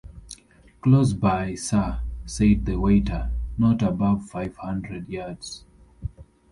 ‘Close by, Sir,’ said the waiter, ‘not above five hundred yards'.